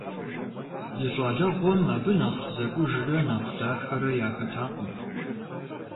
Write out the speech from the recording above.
И щӀалэгъуэм абы нэхъ зэкӀужрэ нэхъ дахэрэ яхэтакъым.